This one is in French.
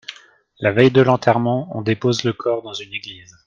La veille de l'enterrement, on dépose le corps dans une église.